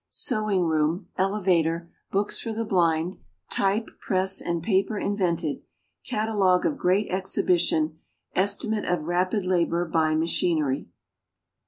Sewing Room. Elevator. Books for the Blind. Type, Press, and Paper invented. Catalogue of Great Exhibition. Estimate of Rapid Labor by Machinery.